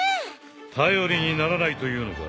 頼りにならないというのか？